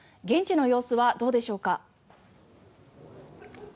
現地の様子はどうでしょうか？